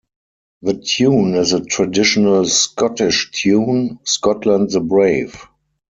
The tune is a traditional Scottish tune, Scotland the Brave.